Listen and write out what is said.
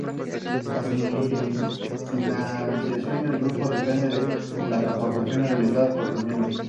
La financiación del grupo depende de las aportaciones realizadas por sus miembros.